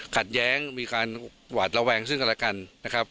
ขัดแย้งมีการหวาดระแวงซึ่งกันและกันนะครับ